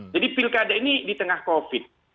jadi pilkada ini di tengah covid